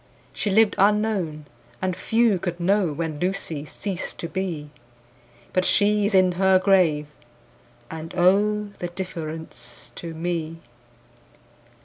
She lived unknown, and few could know When Lucy ceased to be; 10 But she is in her grave, and, oh, The difference to me!